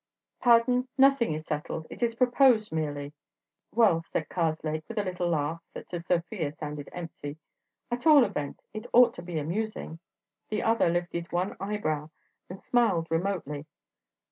"Pardon: nothing is settled; it is proposed, merely." "Well," said Karslake with a little laugh that to Sofia sounded empty, "at all events it ought to be amusing." The other lifted one eyebrow and smiled remotely.